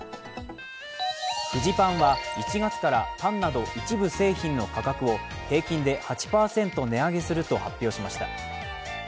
フジパンは１月からパンなど一部製品の価格を平均で８％値上げすると発表しました。